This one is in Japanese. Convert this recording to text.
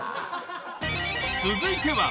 ［続いては］